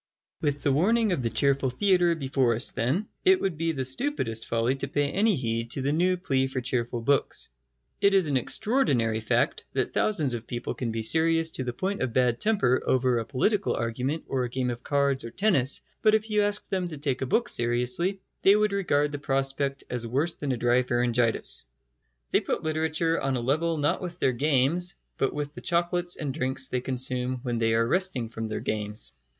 With the warning of the cheerful theatre before us, then, it would be the stupidest folly to pay any heed to the new plea for cheerful books. It is an extraordinary fact that thousands of people can be serious to the point of bad temper over a political argument or a game of cards or tennis; but if you asked them to take a book seriously, they would regard the prospect as worse than a dry pharyngitis. They put literature on a level not with their games, but with the chocolates and drinks they consume when they are resting from their games.